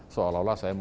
seolah olah saya membeli